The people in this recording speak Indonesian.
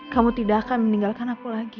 kamu tidak akan meninggalkan aku lagi